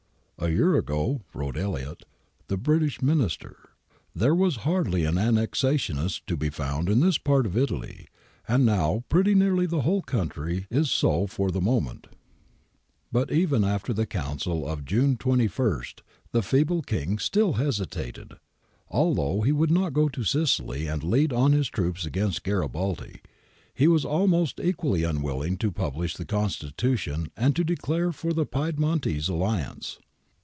'A year ago,' wrote Elliot, the British Minister, 'there was hardly an annexationist to be found in this part of Italy, and now pretty nearly the whole country is so for the moment.' ^ But even after the Council of June 21 the feeble King still hesitated. Although he would not go to Sicily and lead on his troops against Garibaldi, he was almost equally unwilling to publish the Constitution and to declare for the Piedmontese alliance.